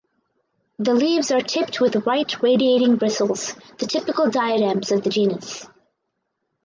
The leaves are tipped with white radiating bristles (the typical diadems of the genus).